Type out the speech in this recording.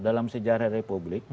dalam sejarah republik